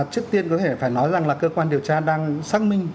trước tiên có thể phải nói rằng là cơ quan điều tra đang xác minh